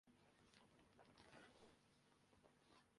کیا دلچسپی ہوسکتی ہے۔